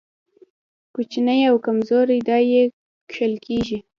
کوچني او کمزوري دا يې کښل کېږي.